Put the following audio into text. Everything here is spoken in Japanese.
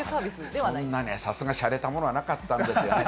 そんなに、さすがにしゃれたものはなかったんですよね。